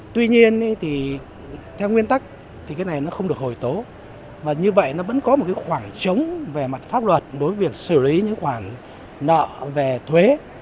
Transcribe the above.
tuy nhiên theo nguyên tắc cái này không được hồi tố mà như vậy nó vẫn có một khoảng trống về mặt pháp luật đối với việc xử lý những khoản nợ về thuế